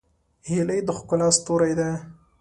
هیلۍ د ښکلا ستوری ده